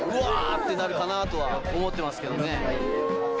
ってなるかなとは思ってますけどね。